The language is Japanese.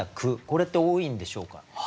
これって多いんでしょうか？